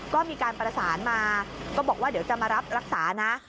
ก็มีการประสานมาก็บอกว่าเดี๋ยวจะมารับรักษานะ